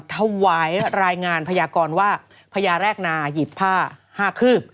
ถวายรายงานพยากรว่าพญาแรกนาหยิบผ้า๕คืบ